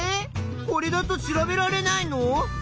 これだと調べられないの？